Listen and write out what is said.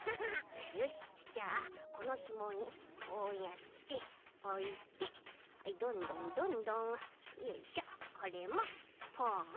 よしじゃあこのひもにこうやっておいてどんどんどんどんよいしょこれもポン。